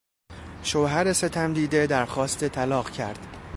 شوهر ستمدیده درخواست طلاق کرد.